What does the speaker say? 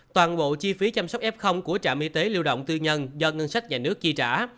toàn bộ chi phí chăm sóc f của trạm y tế lưu động tư nhân do ngân sách nhà nước chi trả